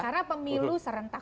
karena pemilu serentak